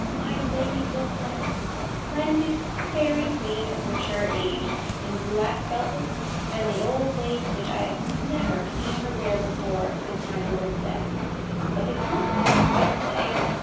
My lady looked like a splendid fairy queen of mature age, in black velvet, and the old lace, which I have never seen her wear before since my lord's death. But the company? you'll say.